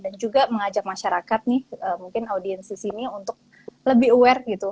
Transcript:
dan juga mengajak masyarakat nih mungkin audiensi sini untuk lebih aware gitu